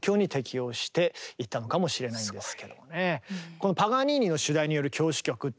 この「パガニーニの主題による狂詩曲」ってね